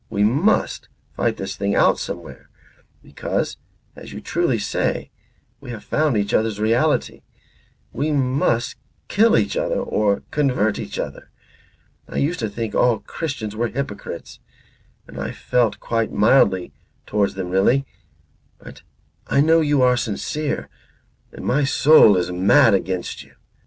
We must fight this thing out somewhere; because, as you truly say, we have found each other's reality. We must kill each other or convert each other. I used to think all Christians were hypocrites, and I felt quite mildly towards them really. But I know you are sincere and my soul is mad against you.